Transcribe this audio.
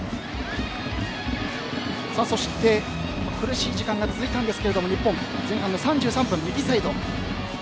そして、苦しい時間が続いたんですが前半の３３分、右サイド。